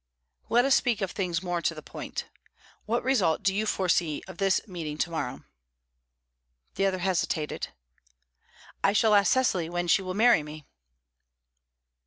"Let us speak of things more to the point. What result do you foresee of this meeting to morrow!" The other hesitated. "I shall ask Cecily when she will marry me."